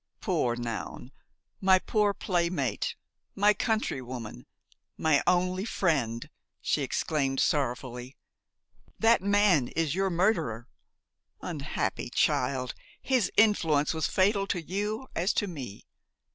"Poor Noun! my poor playmate! my countrywoman, my only friend!" she exclaimed sorrowfully; "that man is your murderer. Unhappy child! his influence was fatal to you as to me!